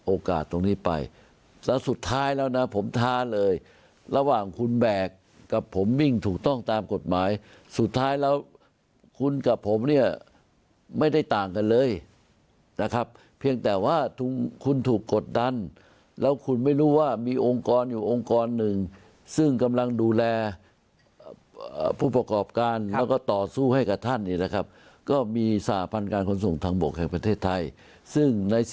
ตรงนี้ไปแล้วสุดท้ายแล้วนะผมท้าเลยระหว่างคุณแบกกับผมวิ่งถูกต้องตามกฎหมายสุดท้ายแล้วคุณกับผมเนี่ยไม่ได้ต่างกันเลยนะครับเพียงแต่ว่าคุณถูกกดดันแล้วคุณไม่รู้ว่ามีองค์กรอยู่องค์กรหนึ่งซึ่งกำลังดูแลผู้ประกอบการแล้วก็ต่อสู้ให้กับท่านเนี่ยนะครับก็มีสหพันธ์การขนส่งทางบกแห่งประเทศไทยซึ่งในส